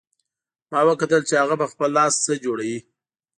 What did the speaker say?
ما وکتل چې هغه په خپل لاس څه جوړوي